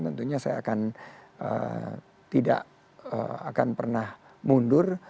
tentunya saya akan tidak akan pernah mundur